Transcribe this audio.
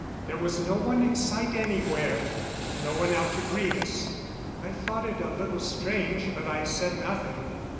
There was no one in sight anywhere. No one out to greet us; I thought it a little strange but I said nothing.